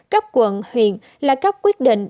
cấp quận huyện là cấp quyết định